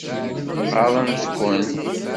Ɣaḍent-ken?